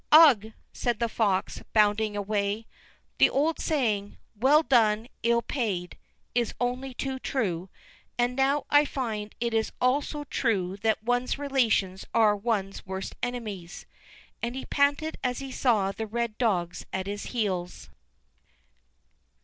"Ugh!" said the fox, bounding away, "the old saying: 'Well done: ill paid,' is only too true; and now I find it is also true that one's relations are one's worst enemies," and he panted as he saw the red dogs at his heels.